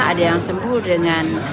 ada yang sembuh dengan